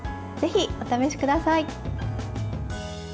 ぜひお試しください。